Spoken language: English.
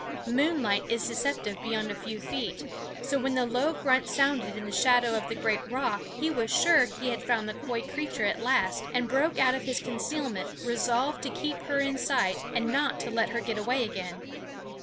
Moonlight is deceptive beyond a few feet; so when the low grunt sounded in the shadow of the great rock he was sure he had found the coy creature at last, and broke out of his concealment resolved to keep her in sight and not to let her get away again.